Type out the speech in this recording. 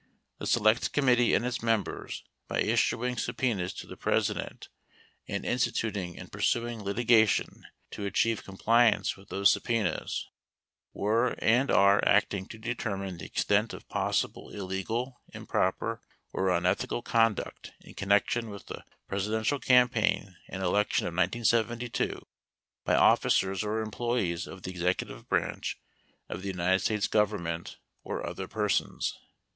The select committee and its members, by issuing 25 subpenas to the President and instituting and pursuing litiga 1247 3 1 tion to achieve compliance with those subpenas, were and 2 are acting to determine the extent of possible illegal, im 3 proper, or unethical conduct in connection with the Pres 4 idential campaign and election of 1972 by officers or 5 employees of the executive branch of the United States Gov 6 eminent or other persons.